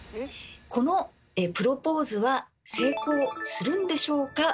このプロポーズは成功するんでしょうか？